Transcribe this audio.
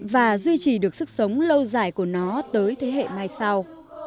và duy trì được sức sống lâu dài của nó tới thế hệ mai sau